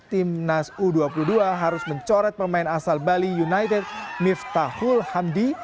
timnas u dua puluh dua harus mencoret pemain asal bali united miftahul hamdi